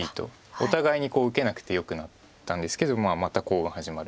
お互いに受けなくてよくなったんですけどまたコウが始まる。